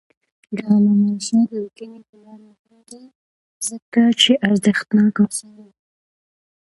د علامه رشاد لیکنی هنر مهم دی ځکه چې ارزښتناک آثار لري.